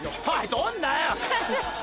撮んなよ！